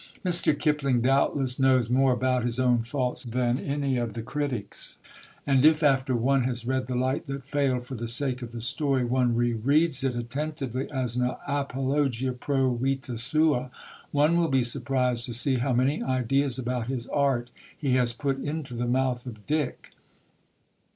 Mr. Kipling doubtless knows more about his own faults than any of the critics; and if after one has read The Light that Failed for the sake of the story, one rereads it attentively as an Apologia Pro Vita Sua, one will be surprised to see how many ideas about his art he has put into the mouth of Dick.